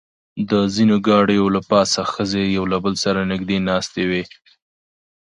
د ځینو ګاډیو له پاسه ښځې یو له بل سره نږدې ناستې وې.